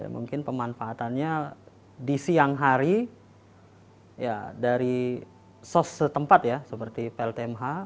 mungkin pemanfaatannya di siang hari dari sos setempat ya seperti pltmh